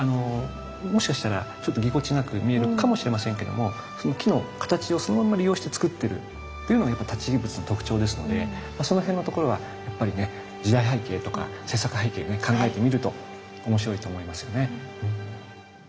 もしかしたらちょっとぎこちなく見えるかもしれませんけどもその木の形をそのまま利用してつくってるっていうのがやっぱり立木仏の特徴ですのでその辺のところはやっぱりね時代背景とか制作背景ね考えてみると面白いと思いますよね。